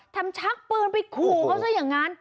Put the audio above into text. ทำชักปืนไปกลัวเขาซะอย่างนั้น